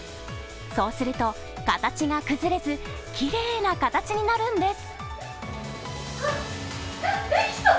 そうすると形が崩れず、きれいな形になるんです。